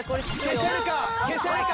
消せるか？